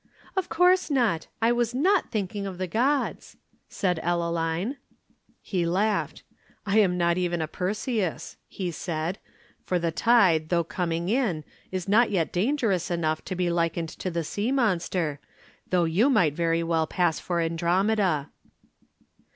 "Of course not. I was not thinking of the gods," said Ellaline. He laughed. "I am not even a Perseus," he said, "for the tide though coming in is not yet dangerous enough to be likened to the sea monster, though you might very well pass for Andromeda."